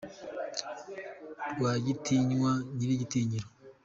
Rwagitinywa nyir’ igitinyiro